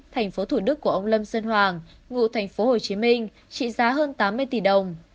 thành phố thủ đức của ông lâm sơn hoàng ngụ thành phố hồ chí minh trị giá hơn tám mươi tỷ đồng